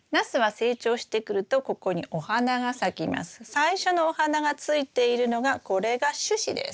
最初のお花がついているのがこれが主枝です。